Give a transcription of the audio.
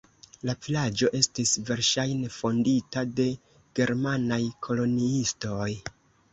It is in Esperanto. La vilaĝo estis verŝajne fondita de germanaj koloniistoj.